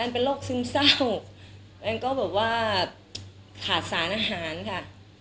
เป็นโรคซึมเศร้าแอนก็บอกว่าขาดสารอาหารค่ะ